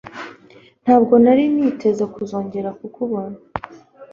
Ntabwo nari niteze kuzongera kukubona